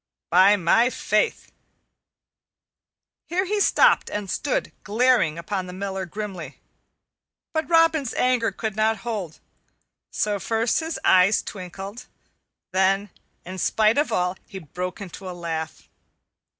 By my faith," Here he stopped and stood glaring upon the Miller grimly. But Robin's anger could not hold, so first his eyes twinkled, and then in spite of all he broke into a laugh.